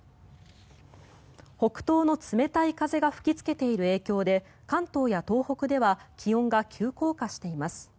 北東の冷たい風が吹きつけている影響で関東や東北では気温が急降下しています。